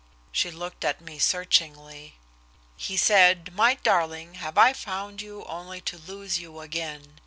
She looked at me searchingly. "He said, 'My darling, have I found you only to lose you again?'"